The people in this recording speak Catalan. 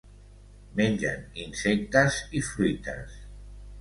Mengen insectes i fruites.